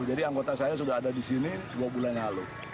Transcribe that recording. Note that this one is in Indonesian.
jadi anggota saya sudah ada di sini dua bulan yang lalu